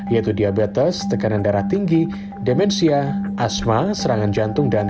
yaitu diabetes tekanan darah tinggi demensia asma serangan jantung